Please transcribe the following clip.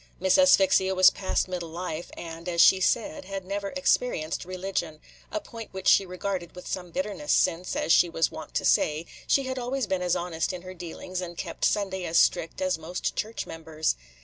Miss Asphyxia was past middle life, and, as she said, had never experienced religion, – a point which she regarded with some bitterness, since, as she was wont to say, she had always been as honest in her dealings and kept Sunday as strict as most church members.